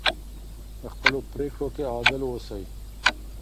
په خپلو پریکړو کې عادل اوسئ.